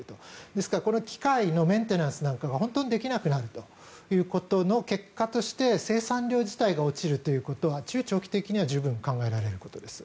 ですからこの機械のメンテナンスなんかが本当にできなくなるということの結果として生産量自体が落ちるということは中長期的には十分考えられることです。